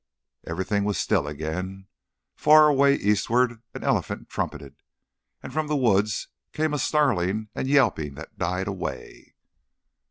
Everything was still again. Far away eastwards an elephant trumpeted, and from the woods came a snarling and yelping that died away.